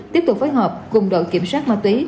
tiếp tục phối hợp cùng đội kiểm soát ma túy